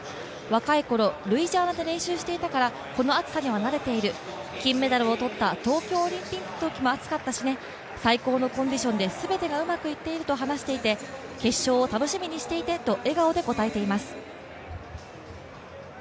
若いころ、ルイジアナで練習していたから、この暑さには慣れている、金メダルを取った東京オリンピックのときも暑かったしね、最高のコンディションで全てがうまくいっていると話していて決勝を楽しみにしていてと、笑顔で答えています。